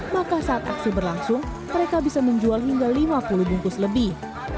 maka saat aksi berlangsung mereka bisa menjual hingga lima puluh bungkus lebih